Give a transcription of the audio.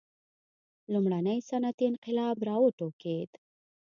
لومړنی صنعتي انقلاب را وټوکېد.